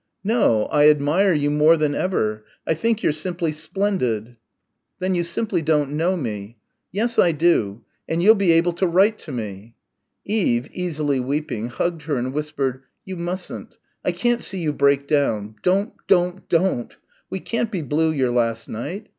"No. I admire you more than ever. I think you're simply splendid." "Then you simply don't know me." "Yes I do. And you'll be able to write to me." Eve, easily weeping, hugged her and whispered, "You mustn't. I can't see you break down don't don't don't. We can't be blue your last night....